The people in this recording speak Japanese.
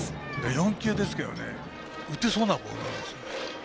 ４球ですけど打てそうなボールありますよね。